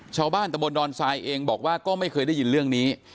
ชาวบ้านตะบนดอนทรายเองบอกว่าก็ไม่เคยได้ยินเรื่องนี้